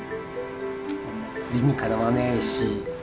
理にかなわないし。